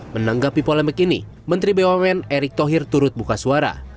menanggapi polemik ini menteri bumn erick thohir turut buka suara